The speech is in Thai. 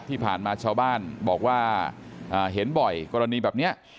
ที่ผ่านมาชาวบ้านบอกว่าเห็นบ่อยกรณีแบบนี้